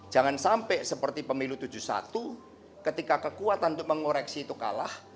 jangan sampai seperti pemilu tujuh puluh satu ketika kekuatan untuk mengoreksi itu kalah